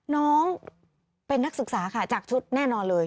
น้องเป็นนักศึกษาค่ะจากชุดแน่นอนเลย